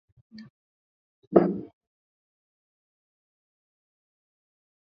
Hii ni baada ya siku moja wanachama wa kamati ya sheria kutumia saa kadhaa kutoa taarifa za ufunguzi